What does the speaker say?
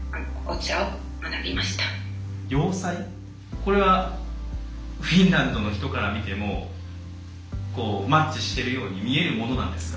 これはフィンランドの人から見てもマッチしてるように見えるものなんですか？